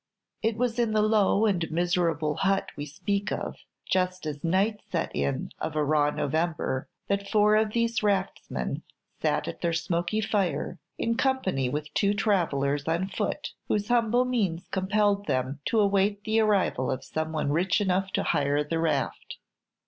It was in the low and miserable hut we speak of, just as night set in of a raw November, that four of these raftsmen sat at their smoky fire, in company with two travellers on foot, whose humble means compelled them to await the arrival of some one rich enough to hire the raft.